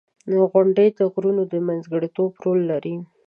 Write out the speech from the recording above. • غونډۍ د غرونو د منځګړیتوب رول لري.